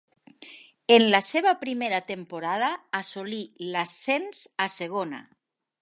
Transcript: En la seva primera temporada assolí l'ascens a segona.